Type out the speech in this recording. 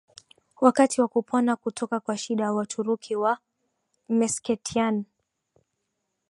wakati wa kupona kutoka kwa shida Waturuki wa Meskhetian